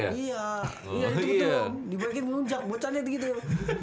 iya itu gitu om dibaikin ngelunjak buat cadet gitu ya